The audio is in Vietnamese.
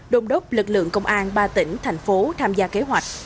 đồng đốc lực lượng công an ba tỉnh thành phố tham gia kế hoạch